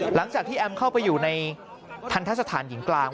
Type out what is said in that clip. หลังจากที่แอมเข้าไปอยู่ในทันทะสถานหญิงกลาง